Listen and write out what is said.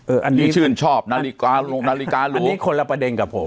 อันนี้ชื่นชอบนาฬิกาลุงนาฬิการูนี่คนละประเด็นกับผม